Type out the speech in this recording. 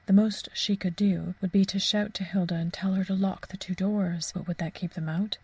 The most she could do would be to shout to Hilda and tell her to lock the two doors. But would that keep them out?